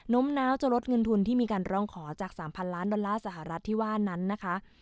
้มน้าวจะลดเงินทุนที่มีการร้องขอจาก๓๐๐ล้านดอลลาร์สหรัฐที่ว่านั้นนะคะ